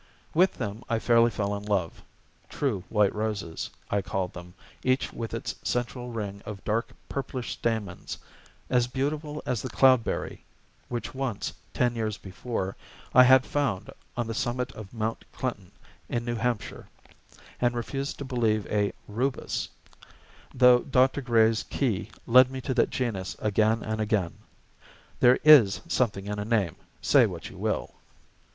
With them I fairly fell in love: true white roses, I called them, each with its central ring of dark purplish stamens; as beautiful as the cloudberry, which once, ten years before, I had found, on the summit of Mount Clinton, in New Hampshire, and refused to believe a Rubus, though Dr. Gray's key led me to that genus again and again. There is something in a name, say what you will.